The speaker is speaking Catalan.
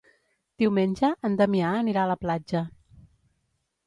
Diumenge en Damià anirà a la platja.